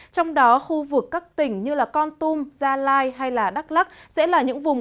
trong đó khu vực các tỉnh như con tum gia lai hay đắk lắc sẽ là những vùng